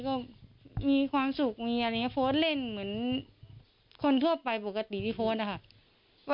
ก็มีความสุขมีอะไรอย่างนี้โพสต์เล่นเหมือนคนทั่วไปปกติที่โพสต์นะคะ